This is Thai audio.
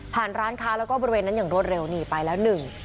ร้านค้าแล้วก็บริเวณนั้นอย่างรวดเร็วหนีไปแล้วหนึ่ง